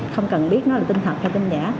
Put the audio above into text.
không cần biết nó là tin thật hay tin giả